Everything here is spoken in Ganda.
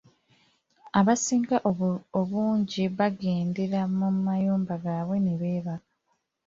Abasinga obungi baagendera mu mayumba gaabwe beebake.